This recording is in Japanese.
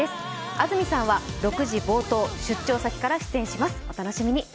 安住さんは６時冒頭、出張先から出演します、お楽しみに。